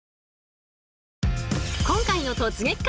今回の「突撃！